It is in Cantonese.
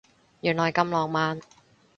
原來咁浪漫